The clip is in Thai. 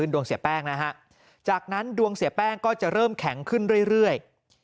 ดวงเสียแป้งนะฮะจากนั้นดวงเสียแป้งก็จะเริ่มแข็งขึ้นเรื่อย